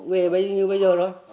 về như bây giờ thôi